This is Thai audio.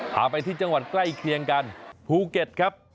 พาไปที่จังหวัดใกล้เคียงกันภูเก็ตครับ